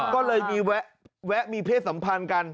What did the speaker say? ก็เลยมีแวะมีเพศสัมพันธ์กัน